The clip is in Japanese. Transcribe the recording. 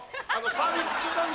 サービス中？